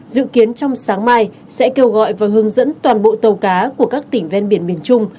dự kiến trong sáng mai sẽ kêu gọi và hướng dẫn toàn bộ tàu cá của các tỉnh ven biển miền trung